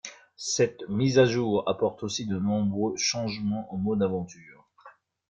Cette mise à jour apporte aussi de nombreux changements au mode aventure...